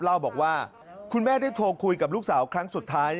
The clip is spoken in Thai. เล่าบอกว่าคุณแม่ได้โทรคุยกับลูกสาวครั้งสุดท้าย